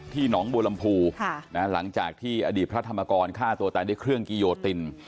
หนองบัวลำพูหลังจากที่อดีตพระธรรมกรฆ่าตัวตายด้วยเครื่องกิโยติน